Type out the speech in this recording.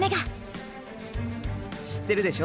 知ってるでしょ。